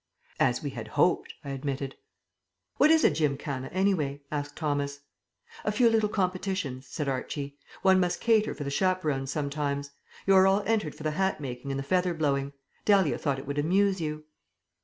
"As we had hoped," I admitted. "What is a gymkhana, anyway?" asked Thomas. "A few little competitions," said Archie. "One must cater for the chaperons sometimes. You are all entered for the Hat making and the Feather blowing Dahlia thought it would amuse you."